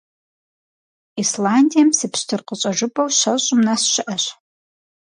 Исландием псы пщтыр къыщӀэжыпӀэу щэщӏым нэс щыӀэщ.